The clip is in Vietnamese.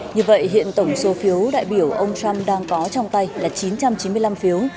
như vậy hiện tổng số phiếu đại biểu ông trump đang có trong tay là chín trăm chín mươi năm phiếu